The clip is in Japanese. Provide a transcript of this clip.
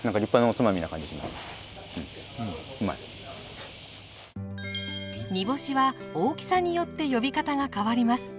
もう煮干しは大きさによって呼び方が変わります。